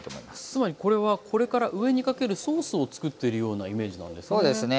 つまりこれはこれから上にかけるソースを作ってるようなイメージなんですね。